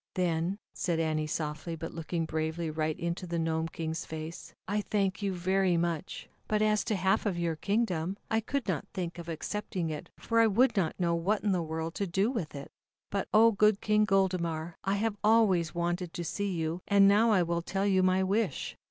"Then," said Annie softly, but look ing bravely right into the Gnome King's face: "I thank you very much, but as to half of your kingdom, I could not think of accepting it for I would not know what in the world to do with it. "But, oh! good King Goldemar, I have always wanted to see you, and now I will tell you my wish.